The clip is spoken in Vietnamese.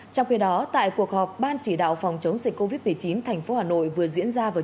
trong khi đó tại cuộc họp ban chỉ đạo phòng chống dịch covid một mươi chín thành phố hà nội vừa diễn ra vào